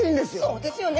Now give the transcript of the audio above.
そうですよね！